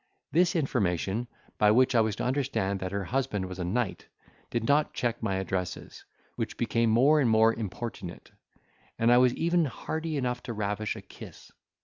This information, by which I was to understand that her husband was a knight, did not check my addresses, which became more and more importunate, and I was even hardy enough to ravish a kiss.